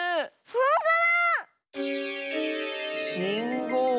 ほんとだ！